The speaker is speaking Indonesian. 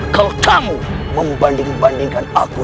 kalau kamu membanding bandingkan aku